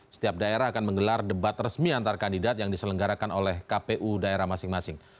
setiap daerah akan menggelar debat resmi antar kandidat yang diselenggarakan oleh kpu daerah masing masing